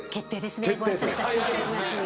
ご挨拶させていただきます。